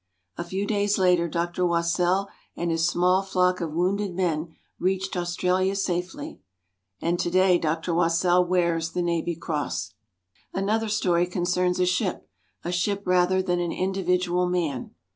A few days later, Dr. Wassell and his small flock of wounded men reached Australia safely. And today Dr. Wassell wears the Navy Cross. Another story concerns a ship, a ship rather than an individual man.